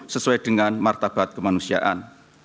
sesuai dengan martabat kemanusiaan